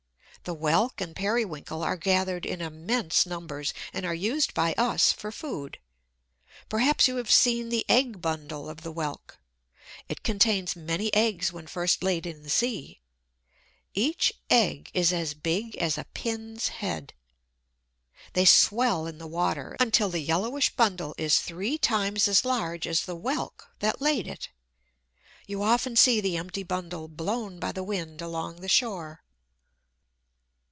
The Whelk and Periwinkle are gathered in immense numbers, and are used by us for food. Perhaps you have seen the egg bundle of the Whelk. It contains many eggs when first laid in the sea. Each egg is as big as a pin's head. They swell in the water, until the yellowish bundle is three times as large as the Whelk that laid it. You often see the empty bundle blown by the wind along the shore.